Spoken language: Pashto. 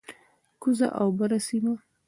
کوزه او بره سیمه،